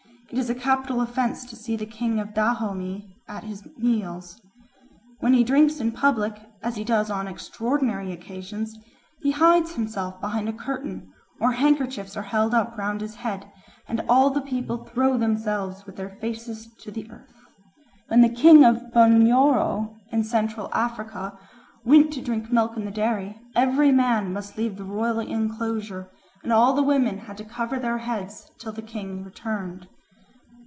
It is a capital offence to see the king of Dahomey at his meals. When he drinks in public, as he does on extraordinary occasions, he hides himself behind a curtain, or handkerchiefs are held up round his head, and all the people throw themselves with their faces to the earth. When the king of Bunyoro in Central Africa went to drink milk in the dairy, every man must leave the royal enclosure and all the women had to cover their heads till the king returned.